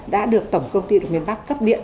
đã được tổng công ty miền bắc cấp điện